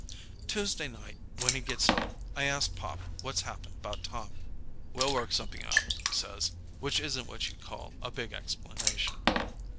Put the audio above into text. Tuesday night when he gets home, I ask Pop what's happened about Tom. "We'll work something out," he says, which isn't what you'd call a big explanation.